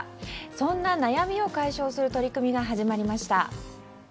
そんな悩みを解消する取り組みが始まりました。